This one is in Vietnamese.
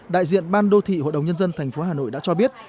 đại diện ban đô thị hội đồng nhân dân thành phố hà nội đã cho biết